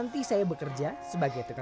nanti saya bekerja sebagai tukang